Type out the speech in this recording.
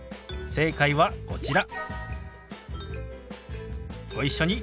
正解はこちら。